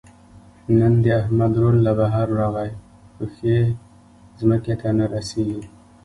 نن د احمد ورور له بهر راغی؛ پښې ځمکې ته نه رسېږي.